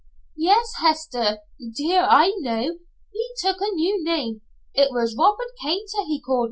"Yes, Hester, dear, I know. He took a new name. It was Robert Kater he called himsel'.